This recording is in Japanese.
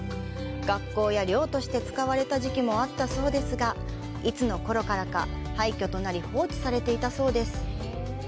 学校や寮として使われた時期もあったそうですがいつのころからか廃墟となり放置されていたそうです。